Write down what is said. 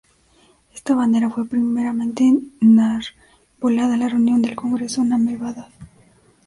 Esta bandera fue, primeramente, enarbolada en la reunión del congreso en Ahmedabad.